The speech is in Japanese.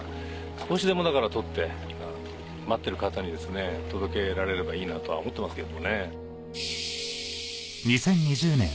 少しでもだから採って待っている方にですね届けられればいいなとは思ってますけれどもね。